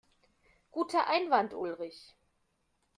Guter Einwand, Ulrich.